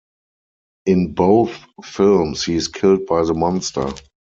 In both films, he is killed by the monster.